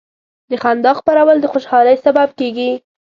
د خندا خپرول د خوشحالۍ سبب کېږي.